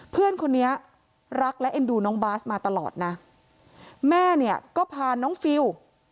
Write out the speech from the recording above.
เพื่อนคนนี้รักและเอ็นดูน้องบาสมาตลอดนะแม่เนี่ยก็พาน้องฟิล